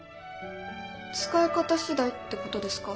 使い方次第ってことですか？